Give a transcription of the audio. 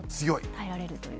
耐えられるという。